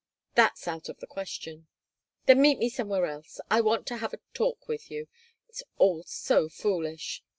"That's out of the question." "Then meet me somewhere else. I want to have a talk with you. It's all so foolish."